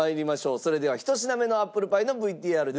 それでは１品目のアップルパイのＶＴＲです。